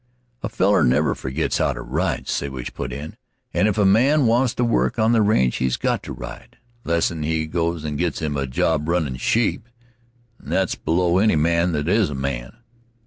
"A feller never forgits how to ride," Siwash put in; "and if a man wants to work on the range, he's got to ride 'less'n he goes and gits a job runnin' sheep, and that's below any man that is a man."